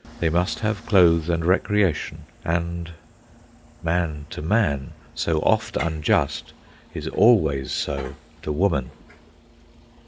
They must have clothes and recreation, and— Man to Man so oft unjust, Is always so to Woman.